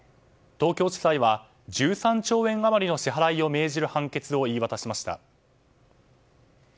東京地裁は１３兆円余りの支払いを命じる判決を言い渡しました。